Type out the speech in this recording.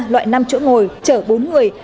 loại năm chỗ ngồi chở bốn người